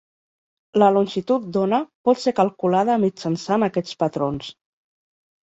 La longitud d'ona pot ser calculada mitjançant aquests patrons.